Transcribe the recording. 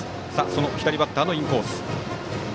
その左バッターのインコース。